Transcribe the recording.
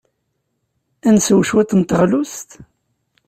Ad nsew cwiṭ n teɣlust?